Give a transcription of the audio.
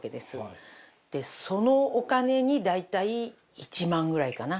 そのお金に大体１万ぐらいかな？